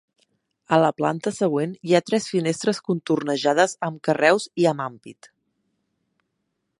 A la planta següent hi ha tres finestres contornejades amb carreus i amb ampit.